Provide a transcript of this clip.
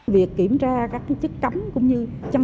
việc kiểm tra các chất cấm cũng như